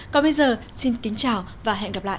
còn bây giờ xin kính chào và hẹn gặp lại